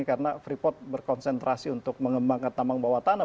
karena freeport berkonsentrasi untuk mengembangkan tambang bawah tanah